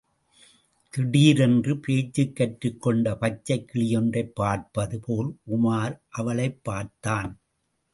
திடீரென்று பேசக் கற்றுக் கொண்ட பச்சைக் கிளியொன்றைப் பார்ப்பது போல் உமார் அவளைப் பார்த்தான்.